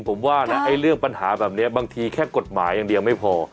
ผมว่านะไอ้เรื่องปัญหาแบบนี้บางทีแค่กฎหมายอย่างเดียวไม่พอ